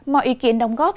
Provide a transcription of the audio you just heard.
mọi ý kiến đồng góp